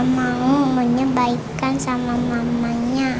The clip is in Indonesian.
mama mau menyabaikan sama mamanya